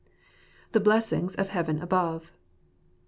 The Blessings of Heaven Above.